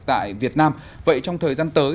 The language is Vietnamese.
tại việt nam vậy trong thời gian tới